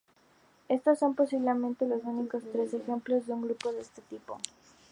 Estos son posiblemente los únicos tres ejemplos de un grupo de este tipo.